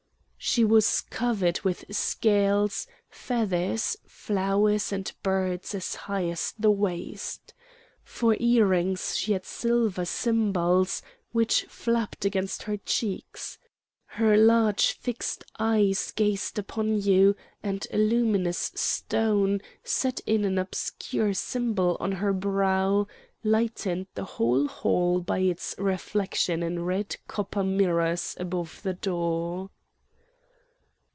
She was covered with scales, feathers, flowers, and birds as high as the waist. For earrings she had silver cymbals, which flapped against her cheeks. Her large fixed eyes gazed upon you, and a luminous stone, set in an obscene symbol on her brow, lighted the whole hall by its reflection in red copper mirrors above the door.